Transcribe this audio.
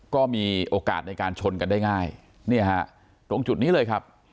ก็มีโอกาสในการชนกันได้ง่ายเนี่ยฮะตรงจุดนี้เลยครับ